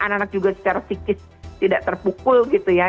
anak anak juga secara psikis tidak terpukul gitu ya